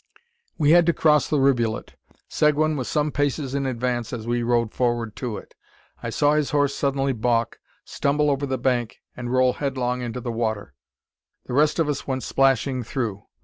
We had to cross the rivulet. Seguin was some paces in advance as we rode forward to it. I saw his horse suddenly baulk, stumble over the bank, and roll headlong into the water! The rest of us went splashing through.